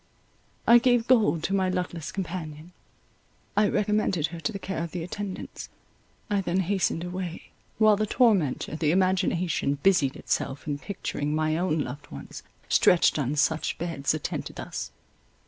I gave gold to my luckless companion; I recommended her to the care of the attendants; I then hastened away; while the tormentor, the imagination, busied itself in picturing my own loved ones, stretched on such beds, attended thus.